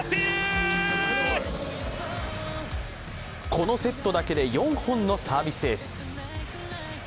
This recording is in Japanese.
このセットだけで４本のサービスエース。